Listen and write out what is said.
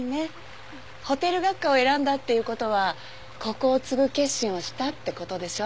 ホテル学科を選んだっていう事はここを継ぐ決心をしたって事でしょ？